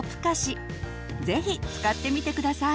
是非使ってみて下さい。